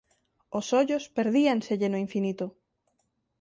Os ollos perdíanselle no infinito.